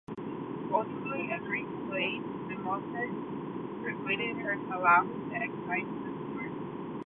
Ultimately, a Greek slave, Democedes, persuaded her to allow him to excise the tumor.